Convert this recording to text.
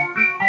aduh aku bisa